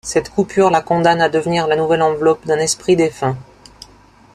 Cette coupure la condamne à devenir la nouvelle enveloppe d'un esprit défunt.